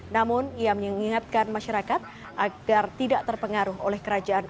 namun ia mengingatkan masyarakat agar tidak terpengaruh oleh kerajaan